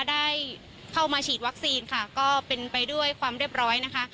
ได้เข้ามาฉีดวัคซีนค่ะก็เป็นไปด้วยความเรียบร้อยนะคะ